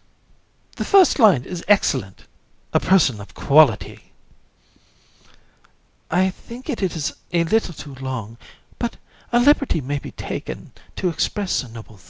COUN. The first line is excellent: "A person of quality." JU. I think it is a little too long; but a liberty may be taken to express a noble thought.